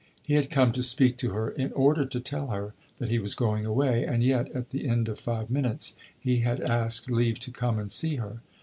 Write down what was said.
He had come to speak to her in order to tell her that he was going away, and yet, at the end of five minutes, he had asked leave to come and see her.